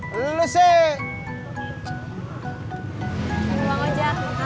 luang aja nanti senang ya mas pur